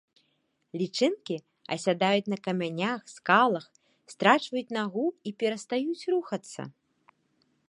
Лічынкі асядаюць на камянях, скалах, страчваюць нагу і перастаюць рухацца.